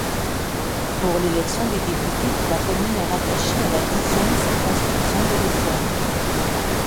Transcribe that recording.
Pour l'élection des députés, la commune est rattachée à la dixième circonscription de l'Essonne.